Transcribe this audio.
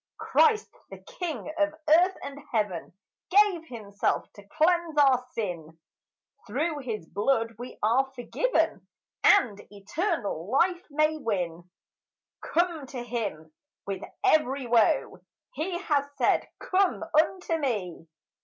Christ, the king of earth and heaven, Gave himself to cleanse our sin; Through his blood we are forgiven And eternal life may win. Come to him with every woe; He has said, "Come unto me."